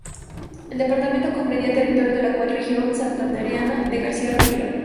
El departamento comprendía territorio de la actual región santandereana de García Rovira.